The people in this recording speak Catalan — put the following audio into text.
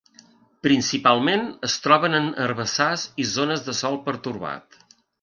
Principalment es troben en herbassars i zones de sòl pertorbat.